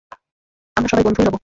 আমরা সবসময় বন্ধুই রবো।